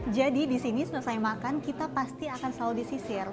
jadi disini setelah saya makan kita pasti akan selalu disisir